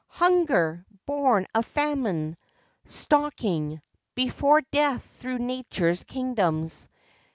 Hunger! born of famine ! stalking Before death through nature's kingdoms!